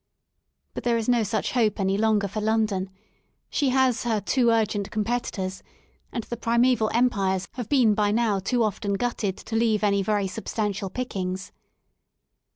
But there is no such hope any longer for London; she has her too urgent competitors, and the primeval empires have been by now too often gutted to leave any very substantial pickings.